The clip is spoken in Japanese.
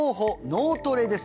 脳トレです